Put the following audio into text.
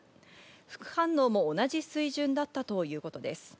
副反応も同じ水準だったということです。